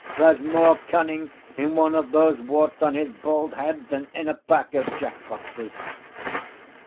There’s more cunning in one of those warts on his bald head than in a pack of jack foxes.